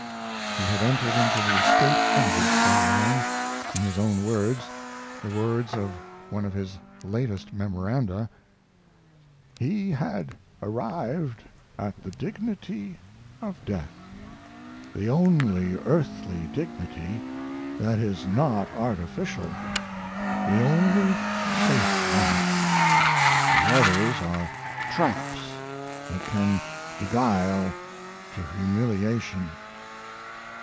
He had entered into the estate envied so long. In his own words the words of one of his latest memoranda: "He had arrived at the dignity of death the only earthly dignity that is not artificial the only safe one. The others are traps that can beguile to humiliation.